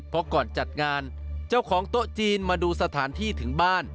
เพราะก่อนจัดงานเจ้าของโต๊ะจีนมาดูสถานที่ถึงบ้าน